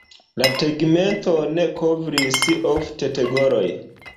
La tegmenton kovris ofte tegoloj.